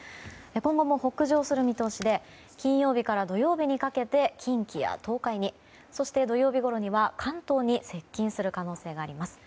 今後も北上する見通しで金曜日から土曜日にかけて近畿や東海にそして土曜日ごろには関東に接近する恐れがあります。